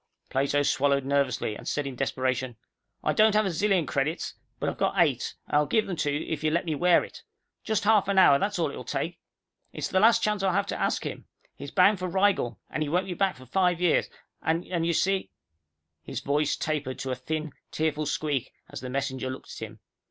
Plato swallowed nervously, and said in desperation, "I don't have a zillion credits, but I've got eight, and I'll give them to you if you let me wear it. Just half an hour, that's all it'll take. It's the last chance I'll have to ask him. He's bound for Rigel, and he won't be back for five years, and you see " His voice tapered to a thin, tearful squeak as the messenger looked at him.